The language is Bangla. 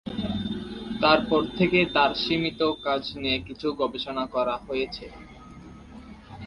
তারপর থেকে তার সীমিত কাজ নিয়ে কিছু গবেষণা করা হয়েছে।